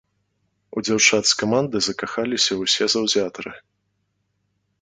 У дзяўчат з каманды закахаліся ўсе заўзятары.